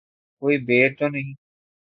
کوئی بیر تو نہیں